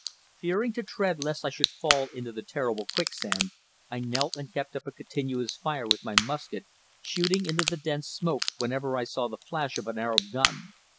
Fearing to tread lest I should fall into the terrible quicksand, I knelt and kept up a continuous fire with my musket, shooting into the dense smoke whenever I saw the flash of an Arab gun.